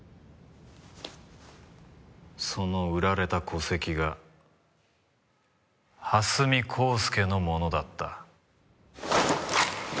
その売られた戸籍が蓮見光輔のものだった。